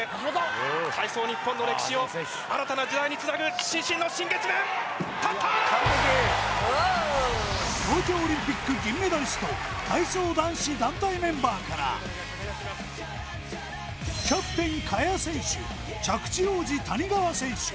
今回その主人公となるのが東京オリンピック銀メダリスト体操男子団体メンバーからキャプテン萱選手着地王子谷川選手